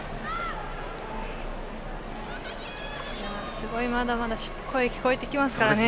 すごい、まだまだ声が聞こえてきますからね。